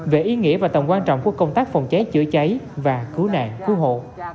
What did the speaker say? về ý nghĩa và tầm quan trọng của công tác phòng cháy chữa cháy và cứu nạn cứu hộ